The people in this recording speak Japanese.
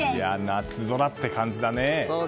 夏空って感じだね。